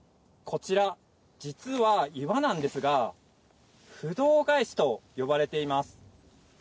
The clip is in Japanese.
こちら実は岩なんですが不動返しと呼ばれています。